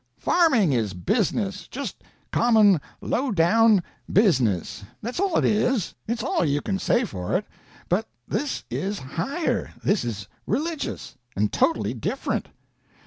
Farming is business, just common low down business: that's all it is, it's all you can say for it; but this is higher, this is religious, and totally different."